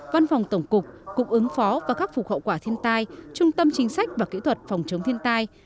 văn phòng tổng cục cục ứng phó và khắc phục hậu quả thiên tai trung tâm chính sách và kỹ thuật phòng chống thiên tai